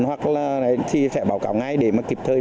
hoặc là sẽ báo cáo ngay để kịp thời